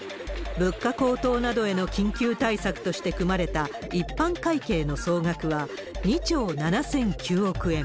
物価高騰などへの緊急対策として組まれた一般会計の総額は、２兆７００９億円。